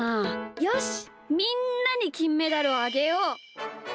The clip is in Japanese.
よしみんなにきんメダルをあげよう！